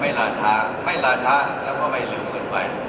ไม่ล่าช้าไม่ล่าช้าแนะกลัวไปเร็วเกินไป